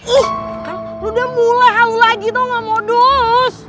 ih kan udah mulai hal lagi tuh gak mau dus